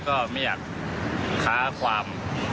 ก็ไม่อยากค้าความ